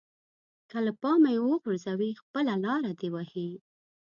له پامه يې وغورځوي خپله لاره دې وهي.